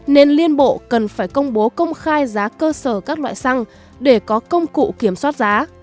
nên liên bộ cần phải công bố công khai giá cơ sở các loại xăng để có công cụ kiểm soát giá